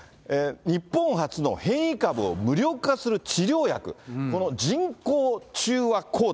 日本初の変異株を無力化する治療薬、この人工中和抗体。